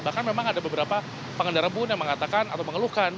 bahkan memang ada beberapa pengendara pun yang mengatakan atau mengeluhkan